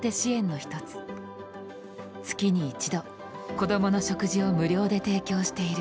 月に１度子どもの食事を無料で提供している。